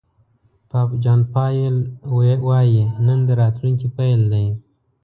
پوپ جان پایول وایي نن د راتلونکي پيل دی.